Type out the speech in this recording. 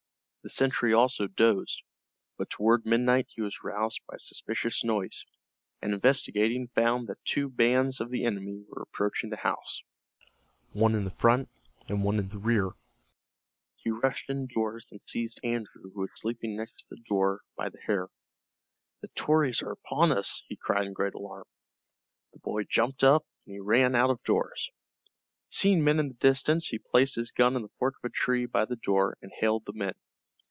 The sentry also dozed, but toward midnight he was roused by a suspicious noise, and investigating found that two bands of the enemy were approaching the house, one in the front and one in the rear. He rushed indoors, and seized Andrew, who was sleeping next to the door, by the hair. "The Tories are upon us!" he cried in great alarm. The boy jumped up, and ran out of doors. Seeing men in the distance he placed his gun in the fork of a tree by the door, and hailed the men.